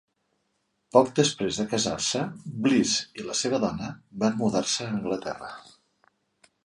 Poc després de casar-se, Bliss i la seva dona van mudar-se a Anglaterra.